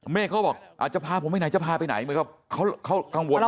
เมฆเขาบอกจะพาผมไปไหนจะพาไปไหนเขากังวลนะ